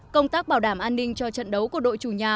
công tác bảo đảm an ninh cho trận đấu của đội chủ nhà